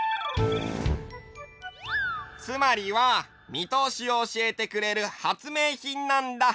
つまりはみとおしをおしえてくれる発明品なんだ。